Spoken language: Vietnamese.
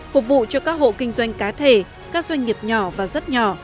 phục vụ cho các hộ kinh doanh cá thể các doanh nghiệp nhỏ và rất nhỏ